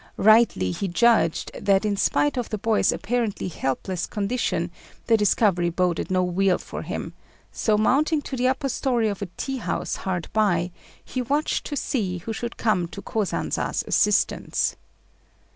Rightly he judged that, in spite of the boy's apparently helpless condition, the discovery boded no weal for him; so mounting to the upper storey of a tea house hard by, he watched to see who should come to Kosanza's assistance.